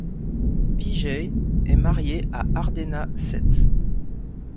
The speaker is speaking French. Vijay est marié à Ardena Seth.